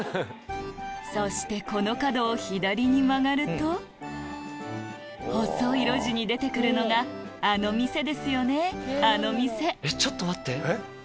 そしてこの角を左に曲がると細い路地に出てくるのがあの店ですよね！